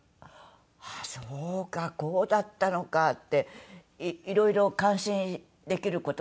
ああそうかこうだったのかっていろいろ感心できる事がいっぱいあったりして。